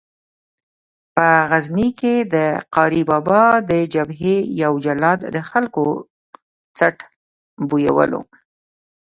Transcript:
په غزني کې د قاري بابا د جبهې یو جلاد د خلکو څټ بویولو.